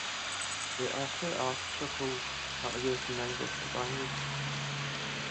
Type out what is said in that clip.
There are two articles that are used in the English language.